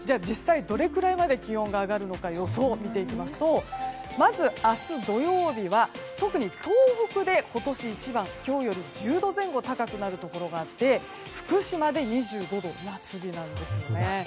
実際どれくらいまで気温が上がるのか予想を見ていきますとまず、明日土曜日は特に東北で今年一番、今日より１０度前後高くなるところがあって福島で２５度夏日なんですよね。